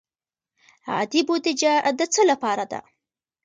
عادي بودجه د څه لپاره ده؟